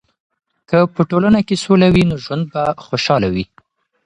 که په ټولنه کې سوله وي، نو ژوند به خوشحاله وي.